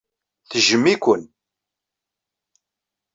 Tejjem-iken.